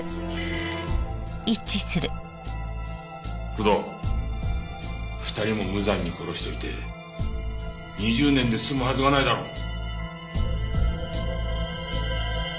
工藤２人も無残に殺しておいて２０年で済むはずがないだろう。